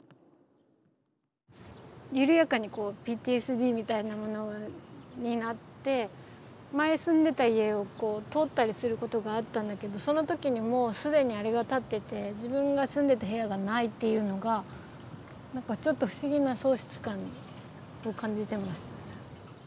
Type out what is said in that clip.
緩やかにＰＴＳＤみたいなものになって前住んでた家をこう通ったりすることがあったんだけどその時にもう既にあれが建ってて自分が住んでた部屋がないっていうのがちょっと不思議な喪失感を感じてました。